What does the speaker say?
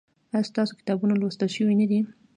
ایا ستاسو کتابونه لوستل شوي نه دي؟